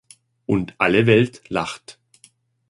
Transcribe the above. Und alle Welt lacht.